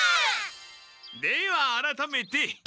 ではあらためて。